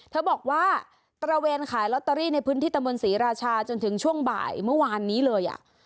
เธอบอกว่าตระเวนขายลอตเตอรี่ในพื้นที่ตะมนตรีราชาจนถึงช่วงบ่ายเมื่อวานนี้เลย